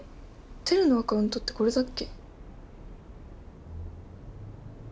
テルのアカウントってこれだっけ？